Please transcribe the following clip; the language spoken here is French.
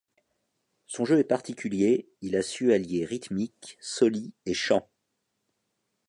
Son jeu est particulier, il a su allier rythmiques, soli et chant.